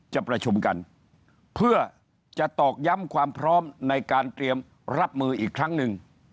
จะประชุมกันเพื่อจะตอกย้ำความพร้อมในการเตรียมรับมืออีกครั้งหนึ่ง